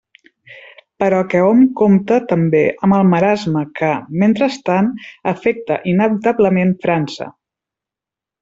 Però que hom compte també amb el marasme que, mentrestant, afecta inevitablement França.